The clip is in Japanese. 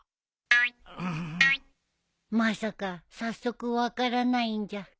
まさか早速分からないんじゃ。